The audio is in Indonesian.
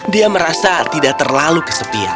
dia merasa tidak terlalu kesepian